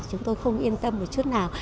chúng tôi không yên tâm một chút nào